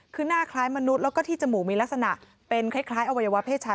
คือหน้าคล้ายมนุษย์แล้วก็ที่จมูกมีลักษณะเป็นคล้ายอวัยวะเพศชาย